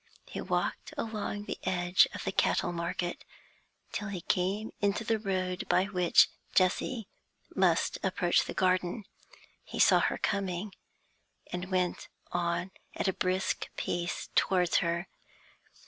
He walked along the edge of the cattle market, till he came into the road by which Jessie must approach the garden; he saw her coming, and went on at a brisk pace towards her.